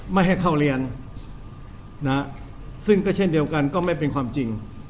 ไม่ให้เข้าเรียนซึ่งก็เช่นเดียวกันก็ไม่เป็นความจริง